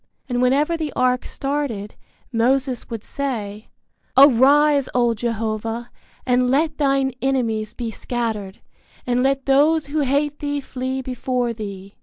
And whenever the ark started, Moses would say, Arise, O Jehovah, And let thine enemies be scattered, And let those who hate thee flee before thee.